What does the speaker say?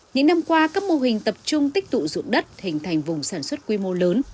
những năm qua các mô hình tập trung tích tụ dụng đất hình thành vùng sản xuất quy mô lớn